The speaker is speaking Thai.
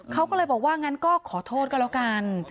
เขาก็เลยบอกว่างั้นก็ขอโทษก็แล้วกัน